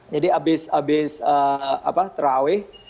jadi abis terawih